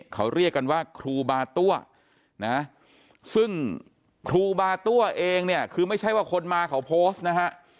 เขาเรียกกันว่าครูบาตั้วนะซึ่งครูบาตั้วเองเนี่ยคือไม่ใช่ว่าคนมาเขาโพสต์นะฮะ